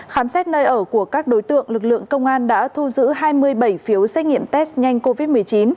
khám xét nơi ở của các đối tượng lực lượng công an đã thu giữ hai mươi bảy phiếu xét nghiệm test nhanh covid một mươi chín